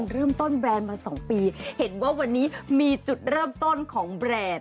เริ่มต้นแบรนด์มา๒ปีเห็นว่าวันนี้มีจุดเริ่มต้นของแบรนด์